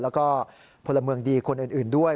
แล้วก็พลเมืองดีคนอื่นด้วย